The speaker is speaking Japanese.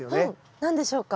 何でしょうか？